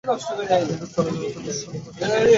কিন্তু চলে যাওয়াকে তো শূন্য রাখতে চাই নে।